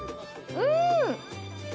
うん！